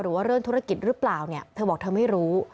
ว่าเรื่องธุรกิจหรือเปล่าเนี่ยเธอบอกเธอไม่รู้